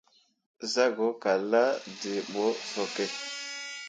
Zah go kallahvd̃ǝǝ ɓo sooke.